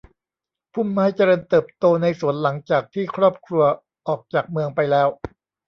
พุ่มไม้เจริญเติบโตในสวนหลังจากที่ครอบครัวออกจากเมืองไปแล้ว